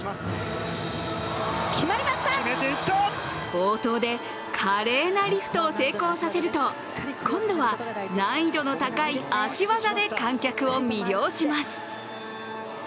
冒頭で華麗なリフトを成功させると今度は難易度の高い足技で観客を魅了します。